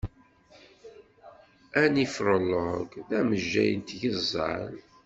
Anifrolog d amejjay n tgeẓẓal.